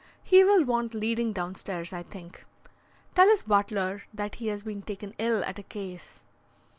He will want leading downstairs, I think. Tell his butler that he has been taken ill at a case."